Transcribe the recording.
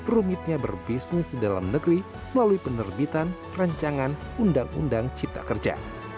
rumitnya berbisnis di dalam negeri melalui penerbitan rancangan undang undang cipta kerja